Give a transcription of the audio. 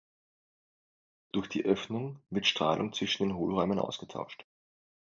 Durch die Öffnung wird Strahlung zwischen den Hohlräumen ausgetauscht.